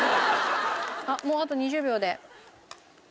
あっもうあと２０秒で。